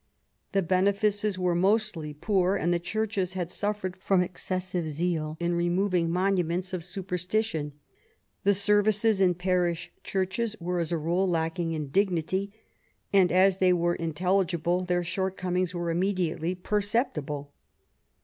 The benefices were mostly poor, and the churches had suffered from excessive zeal in removing monuments of superstition. The services in parish churches were, as a rule, lacking in dignity; and as they were intelligible, their shortcomings were immediately perceptible.